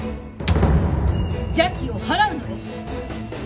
邪気を払うのです！